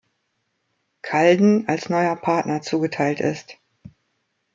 Calden als neuer Partner zugeteilt ist.